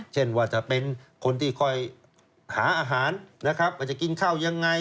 เช่นว่าจะเป็นคนที่คอยหาอาหารจะกินข้าวยังไง